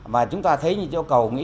và chúng ta thấy như châu cầu